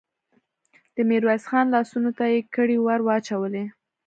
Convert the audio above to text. د ميرويس خان لاسونو ته يې کړۍ ور واچولې.